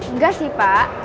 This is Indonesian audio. enggak sih pak